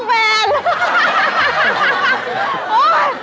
มารอฝแฟน